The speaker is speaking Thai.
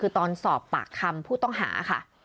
คือตอนสอบปากคำผู้ต้องหาค่ะ